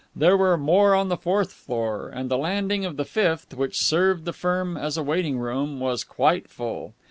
There were more on the fourth floor, and the landing of the fifth, which served the firm as a waiting room, was quite full.